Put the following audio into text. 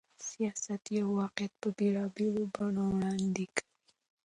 سياست يو واقعيت په بېلابېلو بڼو وړاندې کوي.